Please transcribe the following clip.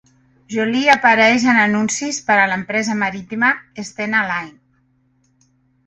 Joly apareix en anuncis per a l'empresa marítima Stena Line.